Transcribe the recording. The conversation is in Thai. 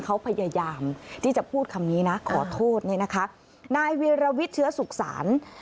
เขาพยายามที่จะพูดคำนี้นะขอโทษนะนายวิราวิชเชื้อแสงสัน